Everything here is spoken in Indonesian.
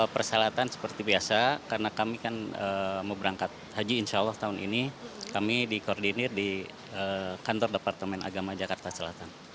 persyaratan seperti biasa karena kami kan mau berangkat haji insya allah tahun ini kami dikoordinir di kantor departemen agama jakarta selatan